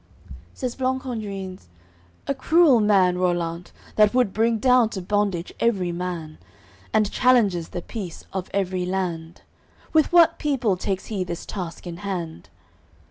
AOI. XXX Says Blancandrins: "A cruel man, Rollant, That would bring down to bondage every man, And challenges the peace of every land. With what people takes he this task in hand?"